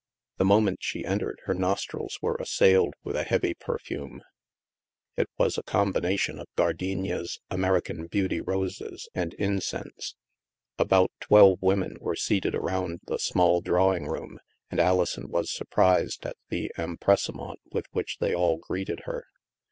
The moment she entered, her nos trils were assailed with a hejivy perfume. It was a combination of gardenias, American beauty roses, and incense. About twelve women were seated around the small drawing room and Alison was surprised at the em pressement with which they all greeted her.